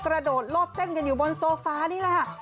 กระโดดโลดเต้นกันอยู่บนโซฟานี่แหละค่ะ